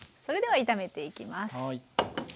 それでは炒めていきます。